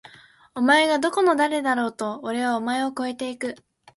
お前がどこの誰だろうと！！おれはお前を超えて行く！！